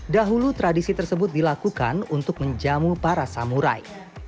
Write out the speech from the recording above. dahulu tradisi tersebut dilakukan untuk menjamu para samurai